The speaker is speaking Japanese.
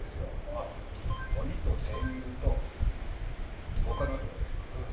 鬼と天狗と狼男ですよ。